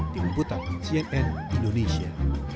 tim putak cnn indonesia